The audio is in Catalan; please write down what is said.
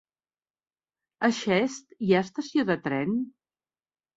A Xest hi ha estació de tren?